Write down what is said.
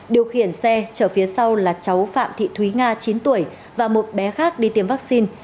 điều khiển xe chở phía sau là cháu phạm thị thúy nga chín tuổi và một bé khác đi tiêm vaccine